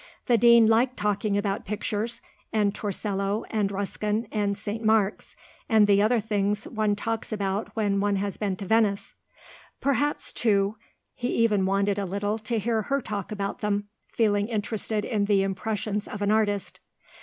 The Dean liked talking about pictures, and Torcello, and Ruskin, and St. Mark's, and the other things one talks about when one has been to Venice. Perhaps too he even wanted a little to hear her talk about them, feeling interested in the impressions of an artist.